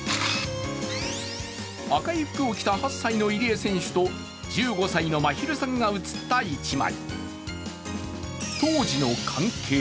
赤い服を着た８歳の入江選手と１５歳のまひるさんが写った１枚。